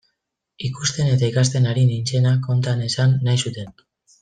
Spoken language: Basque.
Ikusten eta ikasten ari nintzena konta nezan nahi zuten.